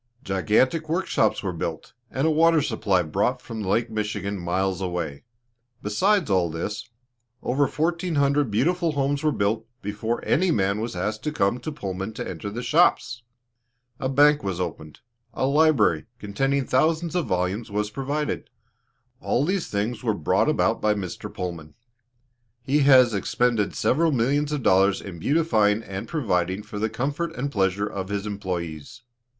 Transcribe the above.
Gigantic work shops were built, and a water supply brought from Lake Michigan, miles away. Besides all this, over fourteen hundred beautiful homes were built before any man was asked to come to Pullman to enter the shops. A bank was opened, a library, containing thousands of volumes, was provided; all these things were brought about by Mr. Pullman. He has expended several million of dollars in beautifying and providing for the comfort and pleasure of his employes.